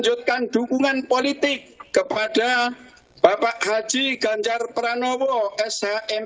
bukan berarti ini adalah akhir dari sejarah p tiga